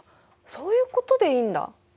そういうことでいいんだ。